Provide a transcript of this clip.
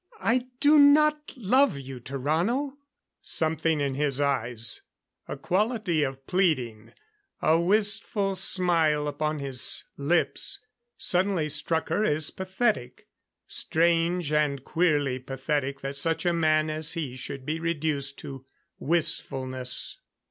"I do not love you, Tarrano." Something in his eyes a quality of pleading; a wistful smile upon his lips suddenly struck her as pathetic. Strange and queerly pathetic that such a man as he should be reduced to wistfulness.